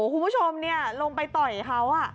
คุณผู้ชมเนี่ยลงไปต้อยเขา